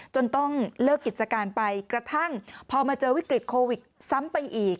จนต้องเลิกกิจการไปกระทั่งพอมาเจอวิกฤตโควิดซ้ำไปอีก